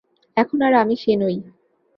এখন আর আমি সে নই।